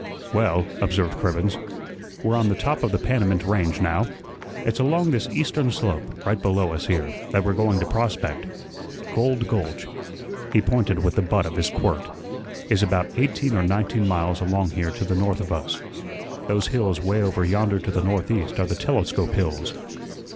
"Well," observed Cribbens, "we're on the top of the Panamint Range now. It's along this eastern slope, right below us here, that we're going to prospect. Gold Gulch" he pointed with the butt of his quirt "is about eighteen or nineteen miles along here to the north of us. Those hills way over yonder to the northeast are the Telescope hills."